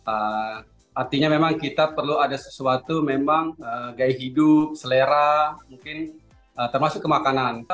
artinya memang kita perlu ada sesuatu memang gaya hidup selera mungkin termasuk ke makanan